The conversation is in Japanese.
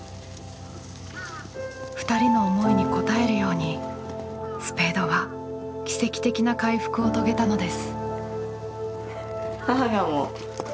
２人の思いに応えるようにスペードは奇跡的な回復を遂げたのです。